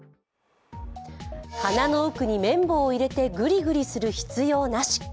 鼻の奥に綿棒を入れてグリグリする必要なし。